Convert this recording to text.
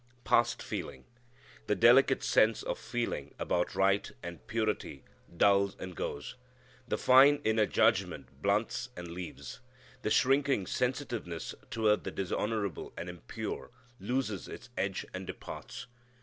"Past feeling!" The delicate sense of feeling about right and purity dulls and goes. The fine inner judgment blunts and leaves. The shrinking sensitiveness toward the dishonorable and impure loses its edge and departs.